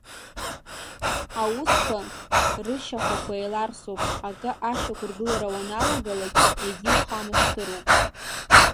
Аусқәа рышьхәақәа еиларсуп, акы ашьақәыргылара уаналагалакь, егьи ухамышҭыропу.